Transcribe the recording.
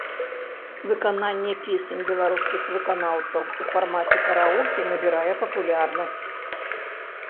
Выкананне песень беларускіх выканаўцаў у фармаце караоке набірае папулярнасць.